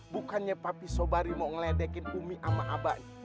bukannya pak pisobari mau ngeledekin umi sama abah